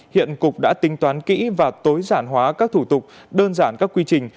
hiện cục đã tính toán kỹ và tối giản hóa các thủ tục đơn giản các quy trình